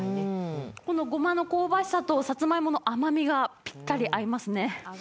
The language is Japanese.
このごまの香ばしさと、さつまいもの甘みがぴったり合いますね。